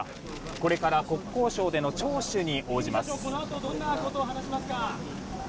これから国交省での聴取に応じます。